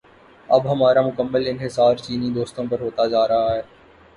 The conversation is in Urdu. اب ہمارا مکمل انحصار چینی دوستوں پہ ہوتا جا رہا ہے۔